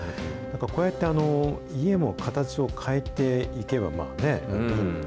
こうやって家も形を変えていけば、まあね。